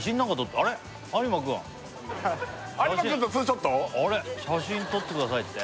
あれ「写真撮ってください」って？